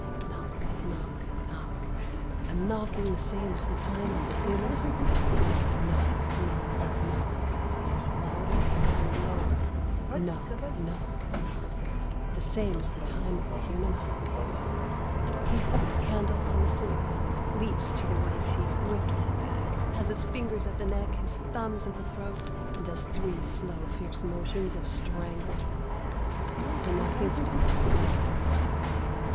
Knock, knock, knock. A knocking the same as the time of the human heartbeat. Knock, knock, knock, first louder, then lower. Knock, knock, knock, the same as the time of the human heartbeat. He sets the candle on the floor ... leaps to the white sheet ... rips it back .,. has his fingers at the neck, his thumbs at the throat, and does three slow fierce motions of strangling. The knocking stops. All is quiet.